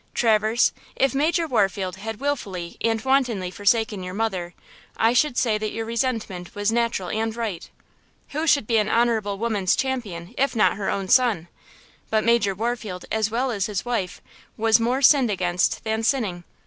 "Traverse, if Major Warfield had wilfully and wantonly forsaken your mother, I should say that your resentment was natural and right. Who should be an honorable woman's champion if not her own son? But Major Warfield, as well as his wife, was more sinned against than sinning.